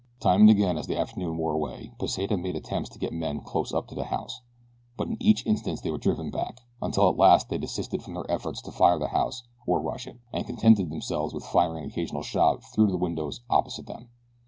Time and again as the afternoon wore away Pesita made attempts to get men close up to the house; but in each instance they were driven back, until at last they desisted from their efforts to fire the house or rush it, and contented themselves with firing an occasional shot through the windows opposite them.